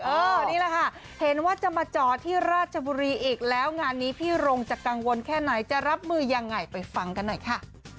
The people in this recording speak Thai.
นี่แหละค่ะเห็นว่าจะมาจอที่ราชบุรีอีกแล้วงานนี้พี่รงจะกังวลแค่ไหนจะรับมือยังไงไปฟังกันหน่อยค่ะ